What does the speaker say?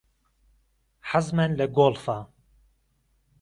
حەزمان لە گۆڵفە.